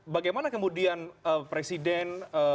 bagaimana kemudian presiden